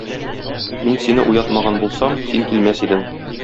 Мин сине уятмаган булсам, син килмәс идең.